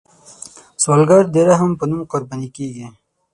سوالګر د رحم په نوم قرباني کیږي